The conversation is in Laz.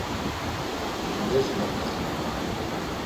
Mundes mepta?